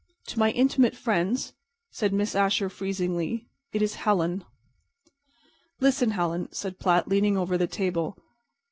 "To my intimate friends," said Miss Asher, freezingly, "it is 'Helen.'" "Listen, Helen," said Platt, leaning over the table.